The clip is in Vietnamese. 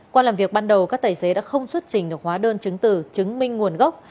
qua làm việc ban đầu các tài xế đã không xuất trình được hóa đơn chứng tử chứng minh nguồn gốc